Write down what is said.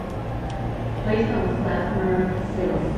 Play some klezmer fiddle